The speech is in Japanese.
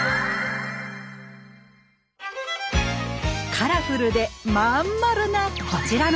カラフルで真ん丸なこちらのパン。